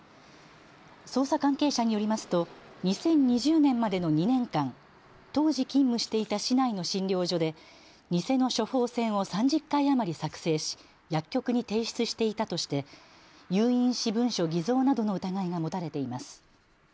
捜査関係者によりますと２０２０年までの２年間当時勤務していた市内の診療所で偽の処方箋を３０回余り作成し薬局に提出していたとして有印私文書偽造などの疑いが持たれています。